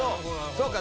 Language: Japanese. そうか。